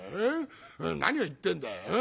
何を言ってんだよ。